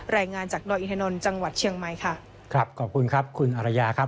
รายงานจากดอยอินทนนท์จังหวัดเชียงใหม่ค่ะครับขอบคุณครับคุณอรยาครับ